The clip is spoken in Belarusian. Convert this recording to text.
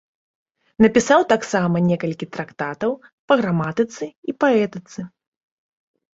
Напісаў таксама некалькі трактатаў па граматыцы і паэтыцы.